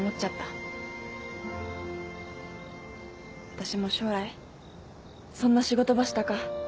私も将来そんな仕事ばしたか。